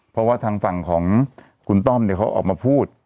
เพราะว่าทางฝั่งของคุณต้อมเนี่ยเขาออกมาพูด